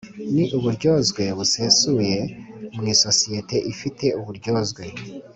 Ni uburyozwe busesuye mu isosiyete ifite uburyozwe